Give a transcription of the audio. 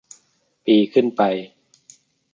ปีขึ้นไป